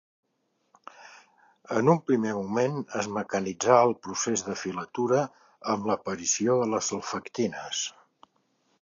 En un primer moment es mecanitzà el procés de filatura, amb l'aparició de les selfactines.